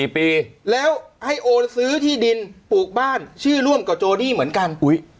๔ปีแล้วให้โอนซื้อที่ดินปลูกบ้านชื่อร่วมกับโจดี้เหมือนกันปุ๋ย